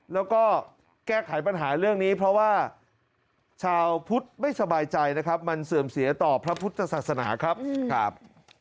แล้วก็แก้ไขปัญหาเรื่องนี้เพราะว่าชาวพุทธไม่สบายใจนะครับมันเสื่อมเสียต่อพระพุทธศาสนาครับครับ